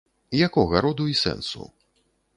Якога роду і сэнсу?